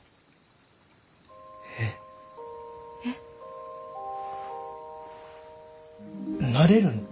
えっ？えっ？なれるの？